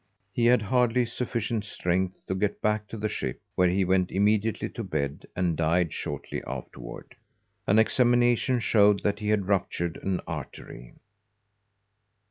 He had hardly sufficient strength to get back to the ship, where he went immediately to bed and died shortly afterward. An examination showed that he had ruptured an artery.